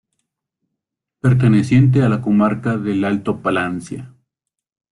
Perteneciente a la comarca del Alto Palancia.